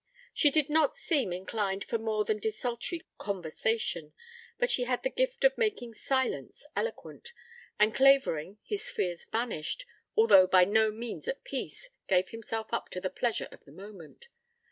She did not seem inclined for more than desultory conversation, but she had the gift of making silence eloquent, and Clavering, his fears banished, although by no means at peace, gave himself up to the pleasure of the moment.